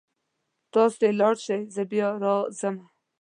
تاسې لاړ شئ زه بیا راځمه